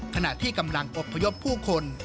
ขณะที่กำลังอบพยพผู้คน